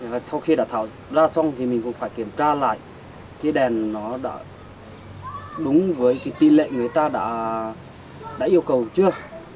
và sau khi đã tháo ra xong thì mình cũng phải kiểm tra lại cái đèn nó đã đúng với cái ti lệ người ta đã yêu cầu chưa